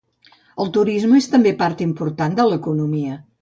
El turisme també és part important de l'economia.